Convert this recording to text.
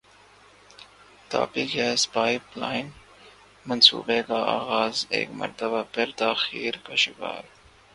Tapi gas pipeline منصوبے کا اغاز ایک مرتبہ پھر تاخیر کا شکار